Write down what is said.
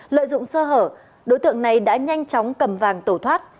lợi dụng sơ hở đối tượng này đã nhanh chóng cầm vàng tổ thoát